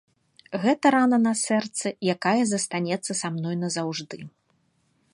Гэта рана на сэрцы, якая застанецца са мной назаўжды.